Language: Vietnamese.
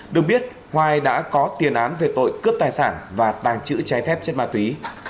được biết hoài đã có tiền án về tội cướp tài sản và tàng trữ trái phép chất ma túy